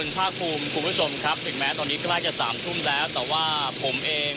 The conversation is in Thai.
ติดตามการรายงานสดจากคุณทัศนายโค้ดทองค่ะ